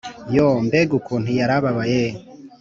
yooo! mbega ukuntu yari ababaye!